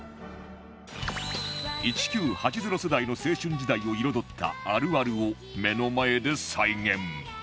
１９８０世代の青春時代を彩ったあるあるを目の前で再現